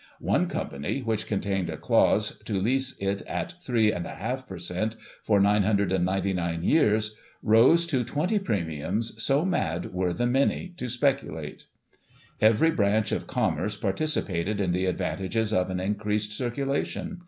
One company, which contained a clause to lease it at three and a half per Cent., for 999 years, rose to twenty premium, so mad were the many to speculate. " Every branch of commerce participated in the advantages of an increased circulation.